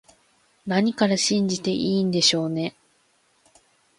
何から信じていいんでしょうね